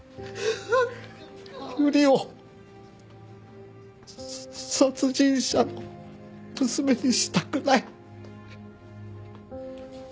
「由梨を殺人者の娘にしたくない」